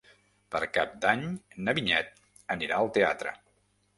Per Cap d'Any na Vinyet anirà al teatre.